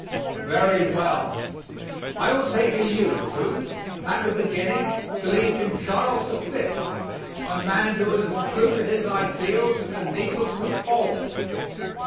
Very well. I will take a youth who, at the beginning, believed in Charles the Fifth, a man who was as true to his ideals as the needle to the pole.